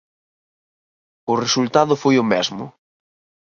O resultado foi o mesmo.